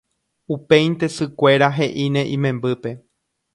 Upéinte sykuéra he'íne imembýpe